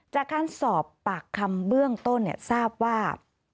จากการสอบปากคำเบื้องต้นทราบว่า